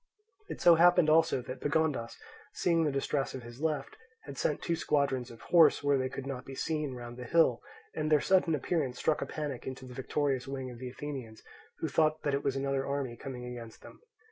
It so happened also that Pagondas, seeing the distress of his left, had sent two squadrons of horse, where they could not be seen, round the hill, and their sudden appearance struck a panic into the victorious wing of the Athenians, who thought that it was another army coming against them.